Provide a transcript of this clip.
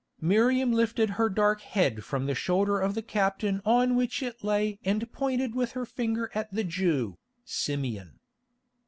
Miriam lifted her dark head from the shoulder of the captain on which it lay and pointed with her finger at the Jew, Simeon.